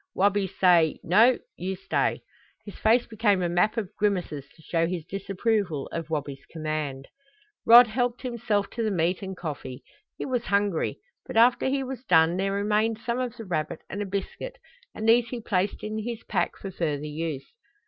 Wabi say, 'No, you stay.'" His face became a map of grimaces to show his disapproval of Wabi's command. Rod helped himself to the meat and coffee. He was hungry, but after he was done there remained some of the rabbit and a biscuit and these he placed in his pack for further use.